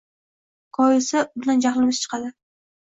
Koyisa undan jahlimiz chiqadi.